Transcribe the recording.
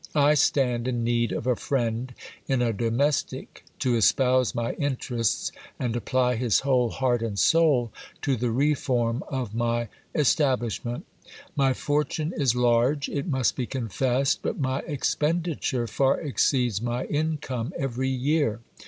I stand in need of a friend in a domestic, to espouse my interests and apply his whole heart and soul to the reform of my establishment My fortune is large, it must be confessed, but my expenditure far exceeds my income every year.